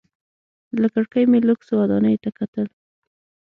له کړکۍ مې لوکسو ودانیو ته کتل.